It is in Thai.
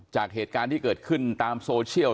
จากเหตุการณ์ที่เกิดขึ้นตามโซเชียล